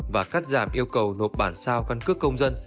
và cắt giảm yêu cầu nộp bản sao căn cước công dân